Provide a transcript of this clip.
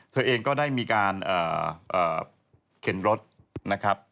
เธอเองก็ได้มีการเข็นรถนะครับ